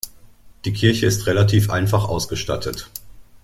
Die Kirche ist relativ einfach ausgestattet.